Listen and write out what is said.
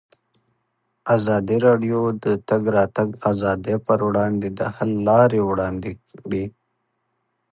ازادي راډیو د د تګ راتګ ازادي پر وړاندې د حل لارې وړاندې کړي.